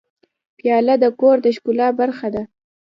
پیاله د کور د ښکلا برخه ده.